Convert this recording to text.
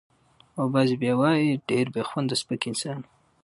او بعضې به وايي چې ډېر بې خونده سپک انسان و.